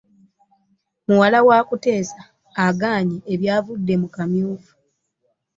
Muwala wa Kuteesa agaanye ebyavudde mu kamyufu